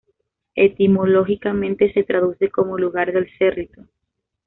Etimológicamente se traduce como 'lugar del cerrito'.